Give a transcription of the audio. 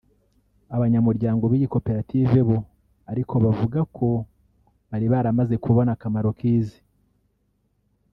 Abanyamuryango b’iyi koperative bo ariko bavuga ko bari baramaze kubona akamaro k’izi m